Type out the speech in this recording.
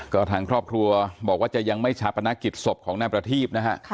ก็ทางครอบครัวบอกว่าจะยังไม่ชาปนกิจศพของนายประทีบนะฮะ